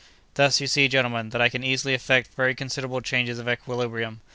"Thus, you see, gentlemen, that I can easily effect very considerable changes of equilibrium.